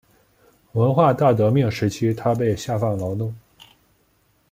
文化大革命时期他被下放劳动。